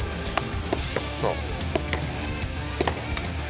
そう。